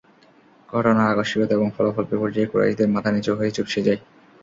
ঘটনার আকস্মিকতা এবং ফলাফল বিপর্যয়ে কুরাইশদের মাথা নীচু হয়ে চুপসে যায়।